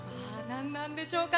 なんなんでしょうか。